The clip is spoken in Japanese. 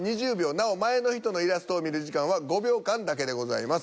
なお前の人のイラストを見る時間は５秒間だけでございます。